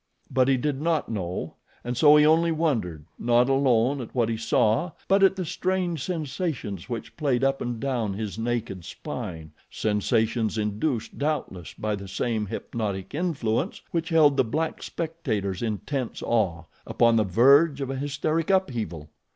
But he did not know, and so he only wondered, not alone at what he saw but at the strange sensations which played up and down his naked spine, sensations induced, doubtless, by the same hypnotic influence which held the black spectators in tense awe upon the verge of a hysteric upheaval.